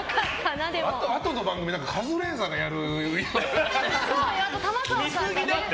あとの番組カズレーザーがやるって。